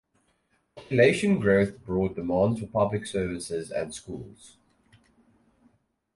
Population growth brought demands for public services and schools.